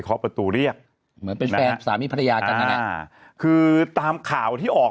เคาะประตูเรียกเหมือนเป็นแฟนสามีภรรยากันคือตามข่าวที่ออก